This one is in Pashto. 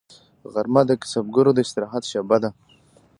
غرمه د کسبګرو د استراحت شیبه ده